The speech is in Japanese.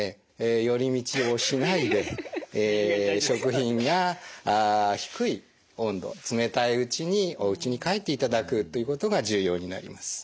寄り道をしないで食品が低い温度冷たいうちにおうちに帰っていただくということが重要になります。